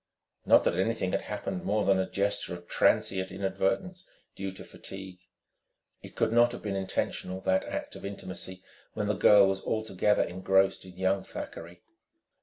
Not that anything had happened more than a gesture of transient inadvertence due to fatigue. It could not have been intentional, that act of intimacy, when the girl was altogether engrossed in young Thackeray.